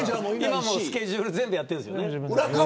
今もスケジュール全部やってるんですよね。